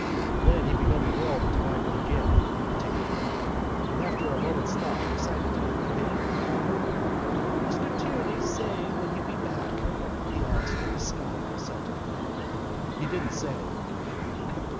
Then he began to roll the tobacco again meditatively and after a moment's thought decided to lick the paper. "Did Mr Tierney say when he'd be back?" he asked in a husky falsetto. "He didn't say."